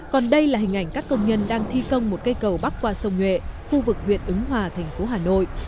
còn đây là hình ảnh các công nhân đang thi công một cây cầu bắc qua sông nhuệ khu vực huyện ứng hòa thành phố hà nội